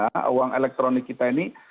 namanya imani kita uang elektronik kita ini